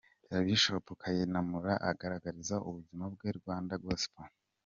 Bishop Kayinamura, agaragariza ubuzima bwe rwandagospel.